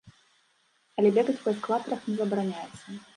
Але бегаць па эскалатарах не забараняецца.